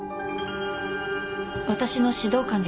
私の指導官です。